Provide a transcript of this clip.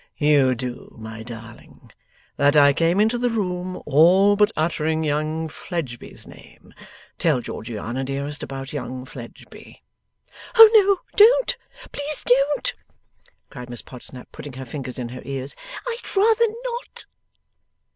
'You do, my darling that I came into the room all but uttering young Fledgeby's name. Tell Georgiana, dearest, about young Fledgeby.' 'Oh no, don't! Please don't!' cried Miss Podsnap, putting her fingers in her ears. 'I'd rather not.